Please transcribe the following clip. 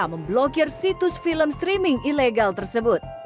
memblokir situs film streaming ilegal tersebut